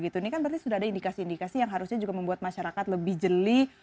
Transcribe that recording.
ini kan berarti sudah ada indikasi indikasi yang harusnya juga membuat masyarakat lebih jeli